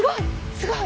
すごい！